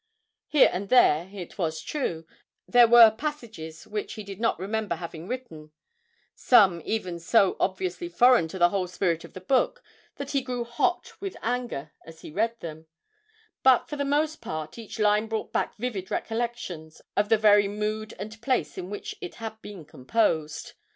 Here and there, it was true, there were passages which he did not remember having written, some even so obviously foreign to the whole spirit of the book that he grew hot with anger as he read them but for the most part each line brought back vivid recollections of the very mood and place in which it had been composed.